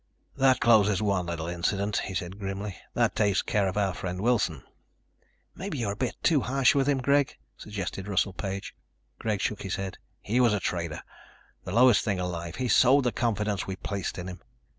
"That closes one little incident," he said grimly. "That takes care of our friend Wilson." "Maybe you were a bit too harsh with him, Greg," suggested Russell Page. Greg shook his head. "He was a traitor, the lowest thing alive. He sold the confidence we placed in him.